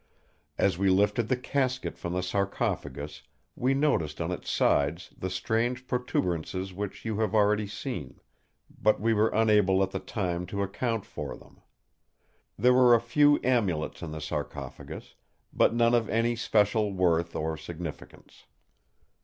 "As we lifted the casket from the sarcophagus, we noticed on its sides the strange protuberances which you have already seen; but we were unable at the time to account for them. There were a few amulets in the sarcophagus, but none of any special worth or significance.